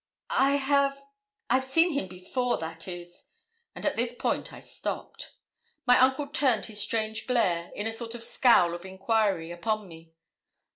'I have I've seen him before that is;' and at this point I stopped. My uncle turned his strange glare, in a sort of scowl of enquiry, upon me.